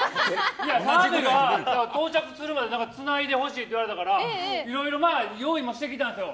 澤部が到着するまでつないでほしいって言われたからいろいろ用意もしてきたんですよ。